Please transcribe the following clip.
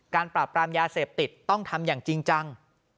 ปราบปรามยาเสพติดต้องทำอย่างจริงจัง